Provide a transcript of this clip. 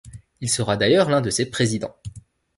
Il sera d'ailleurs l'un de ses présidents.